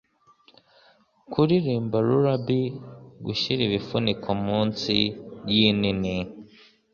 kuririmba lullabies, gushira ibifuniko munsi yinini